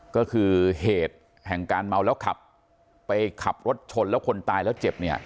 ก็คือเหตุแห่งการเมาแล้วขับไปขับรถชนแล้วคนตายแล้วเจ็บเนี่ย